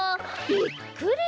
びっくり！